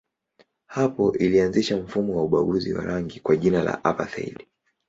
Hapo ilianzisha mfumo wa ubaguzi wa rangi kwa jina la apartheid.